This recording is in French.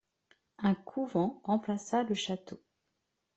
Un couvent remplaça le château.